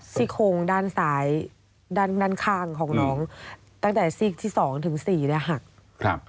ซี่โครงด้านซ้ายด้านข้างของน้องตั้งแต่ซีกที่สองถึงสี่เนี้ยหักครับ